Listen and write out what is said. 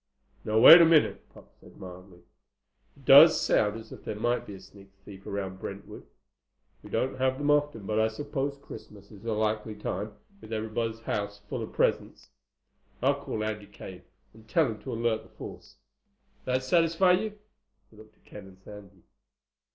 "Now wait a minute," Pop said mildly. "It does sound as if there might be a sneak thief around Brentwood. We don't have them often, but I suppose Christmas is a likely time, with everybody's house full of presents. I'll call Andy Kane and tell him to alert the force. That satisfy you?" He looked at Ken and Sandy.